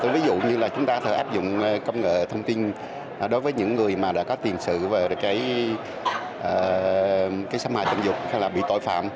ví dụ như là chúng ta có thể áp dụng công nghệ thông tin đối với những người mà đã có tiền sự về cái xâm hại tình dục hay là bị tội phạm